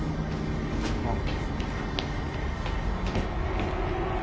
あっ。